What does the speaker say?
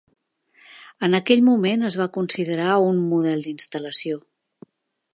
En aquell moment es va considerar un model d'instal·lació.